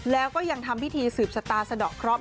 แล้วก็ยังทำพิธีสืบชะตาสะดอกเคราะห